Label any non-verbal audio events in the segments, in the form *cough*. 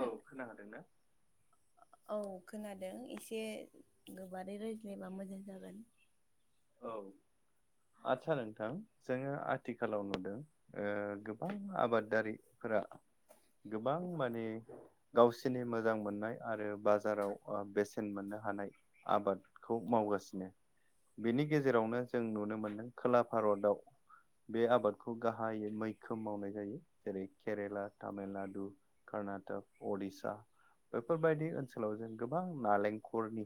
औ खोनाखादों ना? औ खोनादों एसे गोबारै रायज्लायबा मोजां जागोन। औ आदसा नोंथां जोङो आथिखालाव नुदों ओ आबादारिफोरा गोबां माने गावसोरनि मोजां मोननाय आरो बाजाराव बेसेन मोननो हानाय आबादखौ मावगासिनो बिनि गेजेरावनो जों नुनो मोनदों खोला भारतआव बे आबादखौ गाहायै मैखोम मावनाय जायो जेरै केरेला तामिलनाडु कर्नाटक उडिसा बेफोरबायदि ओनसोलाव जों गोबां नालेंखरनि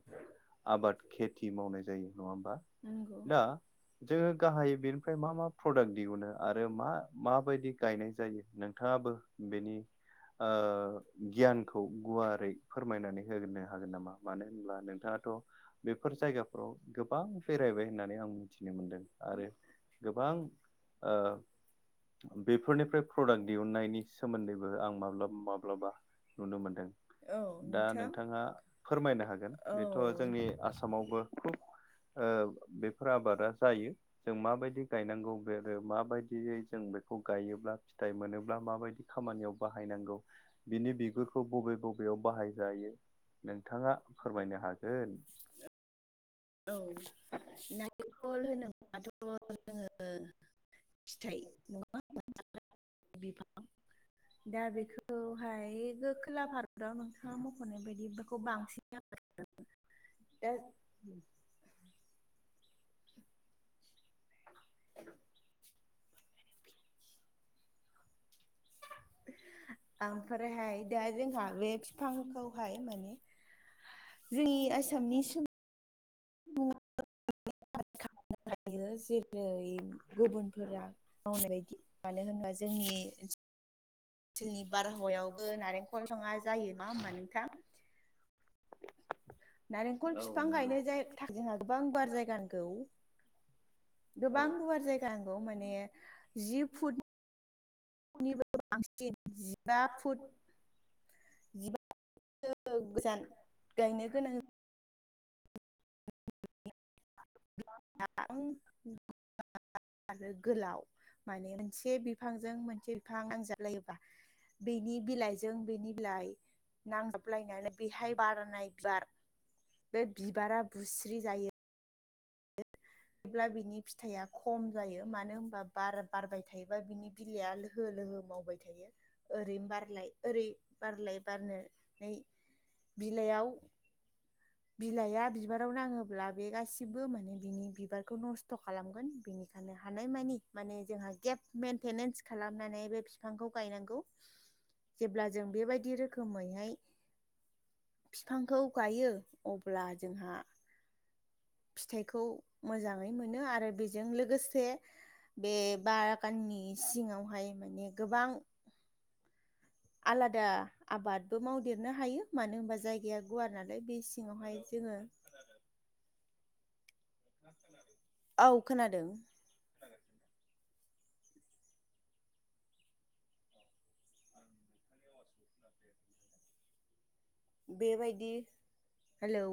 आबाद खेथि मावनाय जायो नङा होमबा? नंगौ दा जोङो गाहाय बेनिफ्राय मा मा प्रडाक्ट दिहुनो आरो मा माबायदि गायनाय जायो नोंथाङाबो बेनि ओ गियानखौ गुवारै फोरमायनानै हो हागोन नामा? मानो होनब्ला नोंथाङाथ' बेफोर जायगाफ्राव गोबां बेरायबाय होननाय होननानै आं मिथिनो मोनदों आरो गोबां ओ बेफोरनिफ्राय प्रडाक्ट दिहुननायनि सोमोन्दैबो आं माब्लाबा माब्लाबा नुनो मोन्दों। औ दा नोंथां नोंथाङा फोरमायनो हागोन औ बेथ' जोंनि आसामावबो ओ बेफोर आबादा जायो जों माबायदि गायनांगौ बे माबायदियै जों बेखौ गायोब्ला फिथाइ मोनोब्ला माबायदि खामानियाव बाहायनांगौ बिनि बिगुरखौ बबे बबेयाव बाहायजायो नोंथाङा फोरमायनो हागोन। औ *unintelligible* होनो दाथ' जोङो फिथाइ नङा *unintelligible* बिफां दा बेखौ ओमफ्राय खोला भारताव नोंथाङा मख'नाय बायदिखौ बांसिन *unintelligible* उ *unintelligible* ओमफ्रायहाय दा जोंहा बे फिफांखौहाय माने जोंनि आसामनि सोमोन्दै जेरै गुबुनफोरा मावनाय बायदि मानो होनोबा जोंनि ओनसोलनि बारहावायावबो नारें फल सङा जायो ना होमबा नोंथां। नारेंखल फिफां गायनो जा थाखाय जोंहा गोबां गुवार जागा नांगौ। गोबां गुवार जायगा नांगौ माने जि फुट निबो बांसिन जिबा फुट सो गोजान गायनो गोनां द *inaudible* आरो गोलाव माने मोनसे बिफांजों मोनसे बिफां नांजाब लायोबा बेनि बिलाइजों बेनि बिलाइ नांजाबलायनानै बेहाय बारनाय बिबार बे बिबारा बुस्रि जायो। ब्ला बिनि फिथाइआ खम जायो मानो होनबा बार बारबाय थायोबा बिनि बिलाइआ लोहो लोहो मावबाय थायो। ओरैनो बारलाय ओरै बारलाय बारनो नै बिलाइयाव बिलाइआ बिबाराव नाङोब्ला बे गासिबो माने बिनि बिबारखौ नस्थ' खालामगोन बेनि जानो हानाय मानि माने जोंहा गेब मेेनटेनेन्स खालामनानै बे फिफांखौ गायनांगौ। जेब्ला जों बेबायदि रोखोमैहाय फिफांखौ गायो अब्ला जोंहा फिथायखौ मोजाङै मोनो आरो बेजों लोगोसे बे बागाननि सिङावहाय माने गोबां आलादा आबादबो मावदेरनो हायो मानो होनबा जायगाया गुवार नालाय बे सिङावहाय जोङो औ खोनादों। बेबायदि हेलौ।